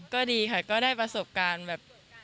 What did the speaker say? ก็ดีค่ะก็ได้ประสบการณ์แบบ